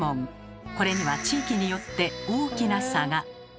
これには地域によって大きな差が。